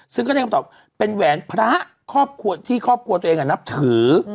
ซึ่งก็ได้คำตอบเป็นแหวนพระครอบครัวที่ครอบครัวตัวเองนับถือ